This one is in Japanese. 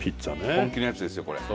本気のやつですよこれ。